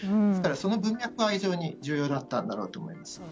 その文脈は非常に重要だったんだと思います。